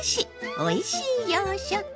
おいしい洋食！」。